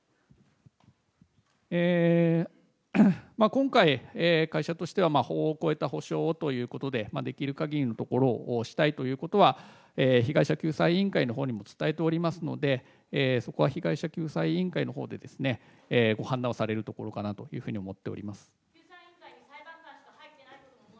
今回、会社としては法を超えた補償をということで、できるかぎりのところをしたいということは、被害者救済委員会のほうにも伝えておりますので、そこは被害者救済委員会のほうでご判断されるところかなと思っております。